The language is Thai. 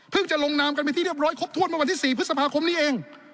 จะลงนามกันเป็นที่เรียบร้อยครบถ้วนเมื่อวันที่๔พฤษภาคมนี้เอง